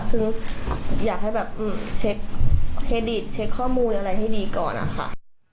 ซึ่งอยากให้แบบเช็คเครดิตเช็คข้อมูลอะไรให้ดีก่อนนะคะ